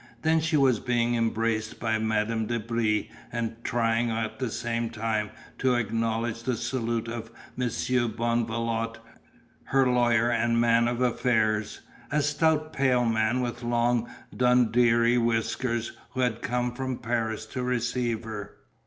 Then she was being embraced by Madame de Brie and trying at the same time to acknowledge the salute of Monsieur Bonvalot, her lawyer and man of affairs, a stout pale man with long Dundreary whiskers who had come from Paris to receive her.